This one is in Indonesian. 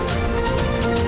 terakhir mas gembong